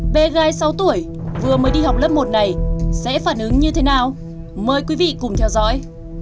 bé gái sáu tuổi vừa mới đi học lớp một này sẽ phản ứng như thế nào mời quý vị cùng theo dõi